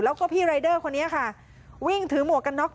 แล้วก็พี่รายเดอร์คนนี้ค่ะวิ่งถือหมวกกันน็อก